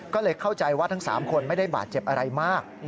ก็เลยเข้าใจว่าทั้ง๓คนไม่ได้บาดเจ็บอะไรมาก